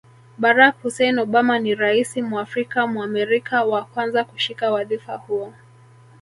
Barack Hussein Obama ni Raisi MwafrikaMwamerika wa kwanza kushika wadhifa huo